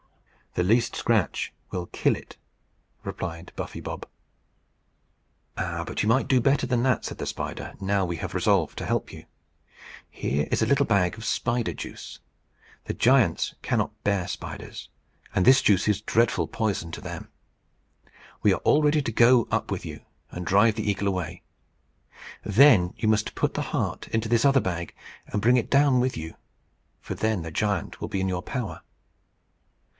"The least scratch will kill it," replied Buffy Bob. "Ah! but you might do better than that," said the spider. "Now we have resolved to help you. Here is a little bag of spider juice. The giants cannot bear spiders, and this juice is dreadful poison to them. We are all ready to go up with you, and drive the eagle away. Then you must put the heart into this other bag, and bring it down with you; for then the giant will be in your power."